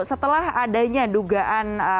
setelah adanya dugaan